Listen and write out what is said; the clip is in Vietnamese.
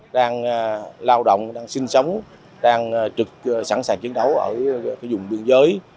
đang lao động đang sinh sống đang sẵn sàng chiến đấu ở dùng biên giới